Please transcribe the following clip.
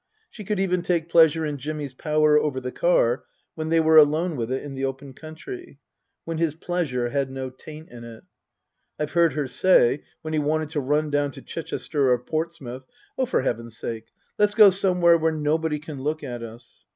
She could even take pleasure in Jimmy's power over the car when they were alone with it in the open country, when his pleasure had no taint in it. I've heard her say, when he wanted to run down to Chichester or Portsmouth, " Oh, for Heaven's sake, let's go somewhere where nobody can look at us !